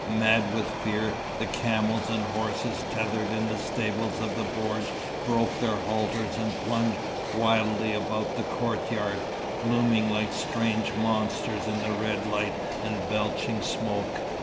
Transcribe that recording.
Mad with fear, the camels and horses tethered in the stables of the bordj broke their halters and plunged wildly about the courtyard, looming like strange monsters in the red light and belching smoke.